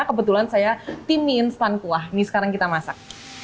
kebetulan saya tim mie instan kuah ini sekarang kita masak